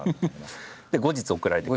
後日送られてくる？